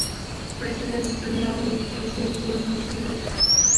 Presidents: Neo-militarism in Latin America.